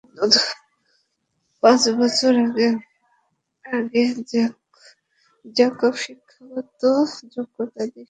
পাঁচ বছর আগে জ্যাকব শিক্ষাগত যোগ্যতা দেখিয়েছিলেন এইচএসসি, এবার দেখিয়েছেন এমএসএস।